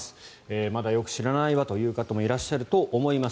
まだよく知らないわという方もいらっしゃると思います。